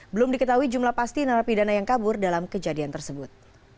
belum diketahui jumlah pasti narapidana yang kabur dalam kejadian tersebut